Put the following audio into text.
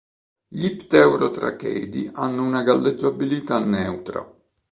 Gli pterotracheidi hanno una galleggiabilità neutra.